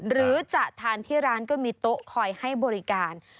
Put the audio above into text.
หรือจะทานที่ร้านก็มีโต๊ะคอยให้บริการ